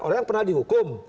orang yang pernah dihukum